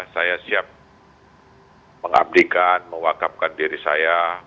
saya siap mengabdikan mewakapkan diri saya